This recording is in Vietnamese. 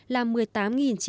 làm một mươi tám đồng